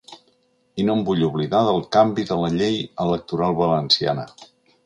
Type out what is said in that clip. I no em vull oblidar del canvi de la llei electoral valenciana.